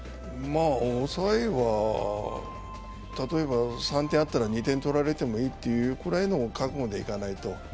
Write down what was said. まあ、抑えは、例えば３点あったら２点取られてもいいってぐらいの覚悟でいかないと。